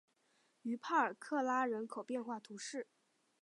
于帕尔拉克人口变化图示